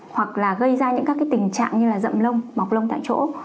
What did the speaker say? hoặc là gây ra những các cái tình trạng như là rậm lông bọc lông tại chỗ